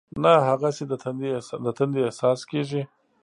نه هغسې د تندې احساس کېږي.